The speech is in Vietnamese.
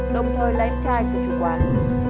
đồng thời là em trai của chủ quán